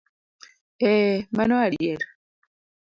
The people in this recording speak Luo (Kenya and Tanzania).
Ee, mano adier!